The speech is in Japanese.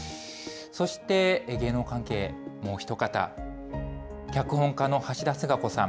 そして芸能関係、もう一方、脚本家の橋田壽賀子さん。